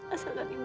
asalkan ibu sembuh